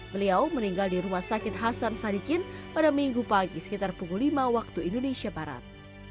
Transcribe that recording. beliau meninggal di rumah sakit hasan sadikin pada minggu pagi sekitar pukul lima waktu indonesia barat